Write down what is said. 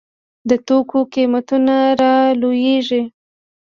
د توکو قیمتونه رالویږي.